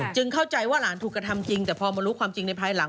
เข้าใจว่าหลานถูกกระทำจริงแต่พอมารู้ความจริงในภายหลัง